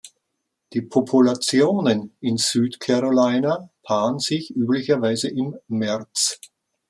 Die Populationen in Süd-Carolina paaren sich üblicherweise im März.